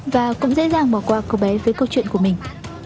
và cũng dễ dàng bỏ qua cô bé với câu chuyện của mình